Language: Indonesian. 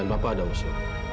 dan papa ada usaha